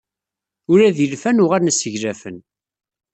Ula d-ilfan uɣalen seglafen!